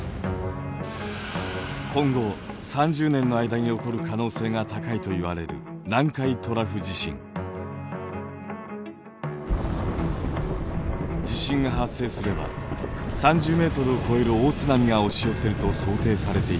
今後３０年の間に起こる可能性が高いといわれる地震が発生すれば３０ｍを超える大津波が押し寄せると想定されています。